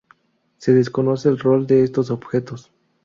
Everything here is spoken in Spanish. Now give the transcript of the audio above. Se desconoce el rol de estos objetos.